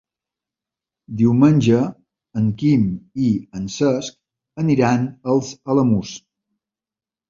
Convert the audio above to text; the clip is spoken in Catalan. Diumenge en Quim i en Cesc aniran als Alamús.